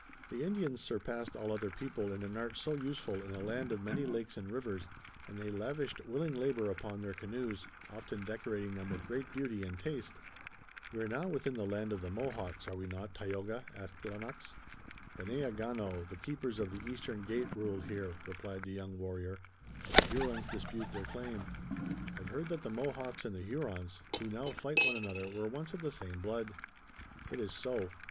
The Indians surpassed all other people in an art so useful in a land of many lakes and rivers and they lavished willing labor upon their canoes, often decorating them with great beauty and taste. "We're now within the land of the Mohawks, are we not, Tayoga?" asked Lennox. "Ganeagaono, the Keepers of the Eastern Gate, rule here," replied the young warrior, "but the Hurons dispute their claim." "I've heard that the Mohawks and the Hurons, who now fight one another, were once of the same blood." "It is so.